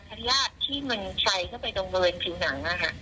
พระญาติที่ใช้เข้าไปตรงบริเวณผิวหนัง